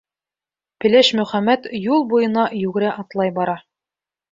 Пеләш Мөхәммәт юл буйына йүгерә-атлай бара.